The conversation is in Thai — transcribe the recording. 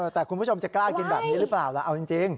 แต่คุณผู้ชมจะกล้ากินแบบนี้หรือเปล่าล่ะเอาจริง